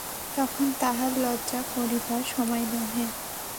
তখন তাহার লজ্জা করিবার সময় নহে।